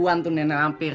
kelaluan tuh nenek hampir